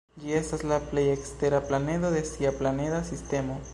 Ĝi estas la plej ekstera planedo de sia planeda sistemo.